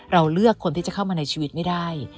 เราเลือกคนที่จะเข้ามาในชีวิตไม่ได้